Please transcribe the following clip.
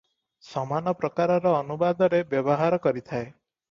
ସମାନ ପ୍ରକାରର ଅନୁବାଦରେ ବ୍ୟବହାର କରିଥାଏ ।